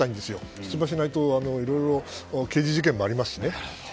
出馬しないと、いろいろ刑事事件もありますしね。